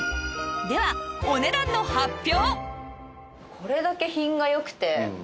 ではお値段の発表！